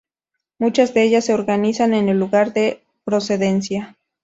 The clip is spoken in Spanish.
Muchas de ellas se organizan por el lugar de procedencia.